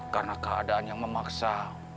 karena keadaan yang memaksa